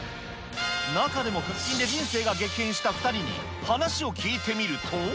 中でも腹筋で人生が激変した２人に話を聞いてみると。